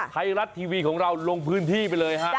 ไทยรัฐทีวีของเราลงพื้นที่ไปเลยฮะ